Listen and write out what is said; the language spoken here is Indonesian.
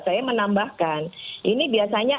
saya menambahkan ini biasanya